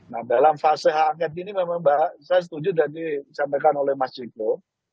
nah dalam fase hak angket ini memang saya setuju tadi disampaikan oleh mas ciko